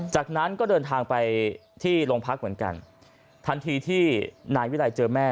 จากนั้นก็เดินทางไปที่โรงพักเหมือนกันทันทีที่นายวิรัยเจอแม่